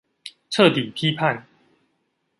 徹底批判